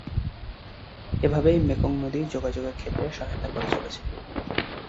এইভাবে মেকং নদী যোগাযোগের ক্ষেত্রে সহায়তা করে চলেছে।